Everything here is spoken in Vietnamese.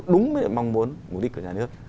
đúng mong muốn mục đích của nhà nước